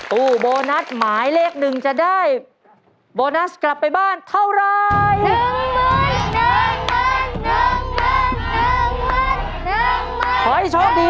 ตู้โบนัสหมายเลขหนึ่งจะได้โบนัสกลับไปบ้านเท่าไร